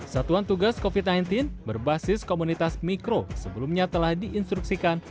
satuan tugas covid sembilan belas berbasis komunitas mikro sebelumnya telah diinstruksikan